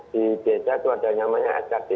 di desa itu ada yang namanya srd